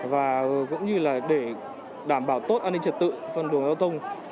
và cũng như để đảm bảo tốt an ninh trật tự phân đường giao thông